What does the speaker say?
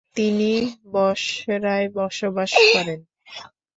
তিনি বসরায় বসবাস করেন।